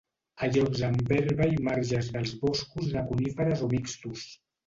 A llocs amb herba i marges dels boscos de coníferes o mixtos.